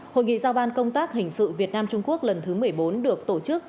hội nghị giao ban công tác hình sự việt nam trung quốc lần thứ một mươi bốn được tổ chức